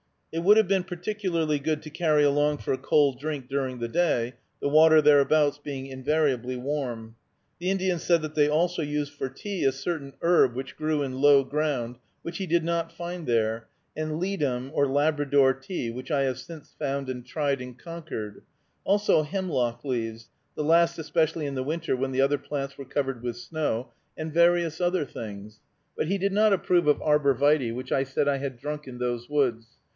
It would have been particularly good to carry along for a cold drink during the day, the water thereabouts being invariably warm. The Indian said that they also used for tea a certain herb which grew in low ground, which he did not find there, and ledum, or Labrador tea, which I have since found and tried in Concord; also hemlock leaves, the last especially in the winter, when the other plants were covered with snow; and various other things; but he did not approve of arbor vitæ, which I said I had drunk in those woods.